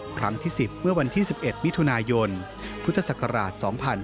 ครั้งที่๑๐เมื่อวันที่๑๑มิถุนายนพุทธศักราช๒๕๕๙